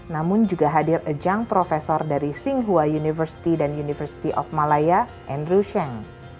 namun juga hadir ajang profesor dari singhua university dan university of malaya andrew sheng